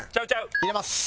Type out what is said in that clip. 入れます。